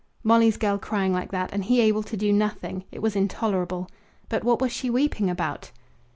Molly's girl crying like that, and he able to do nothing! It was intolerable. But what was she weeping about?